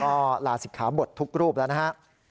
ก็ลาศิกขาบททุกรูปแล้วนะฮะ